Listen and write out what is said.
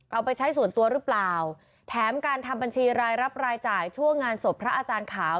เอาไปใช้ส่วนตัวหรือเปล่าแถมการทำบัญชีรายรับรายจ่ายช่วงงานศพพระอาจารย์ขาว